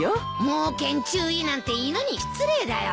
「猛犬注意」なんて犬に失礼だよ。